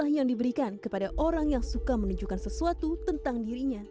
salah yang diberikan kepada orang yang suka menunjukkan sesuatu tentang dirinya